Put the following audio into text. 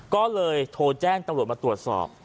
ก็เลยโทรแจ้งตำรวจมาตรวจสอบ